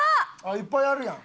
いっぱいあるやん。